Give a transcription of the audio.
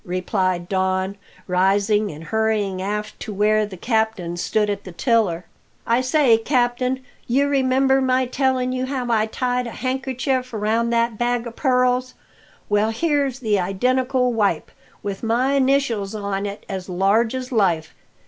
replied Don, rising and hurrying aft to where the captain stood at the tiller. "I say, captain, you remember my telling you how I tied a handkerchief round that bag of pearls? Well, here's the identical 'wipe.' with my initials on it as large as life.